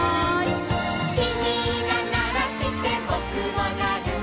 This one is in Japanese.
「きみがならしてぼくもなる」